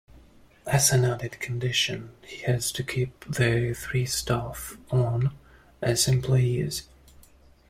As an added condition, he has to keep the three staff on as employees.